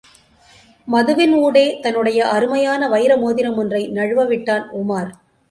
மதுவின் ஊடே, தன்னுடைய அருமையான வைர மோதிரமொன்றை நழுவ விட்டான் உமார்.